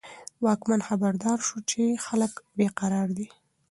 واکمن خبردار شو چې خلک بې قرار دي.